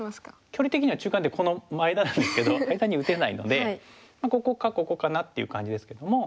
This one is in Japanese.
距離的には中間点この間なんですけど間に打てないのでここかここかなっていう感じですけども。